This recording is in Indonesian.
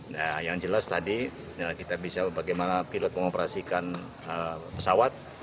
nah yang jelas tadi kita bisa bagaimana pilot mengoperasikan pesawat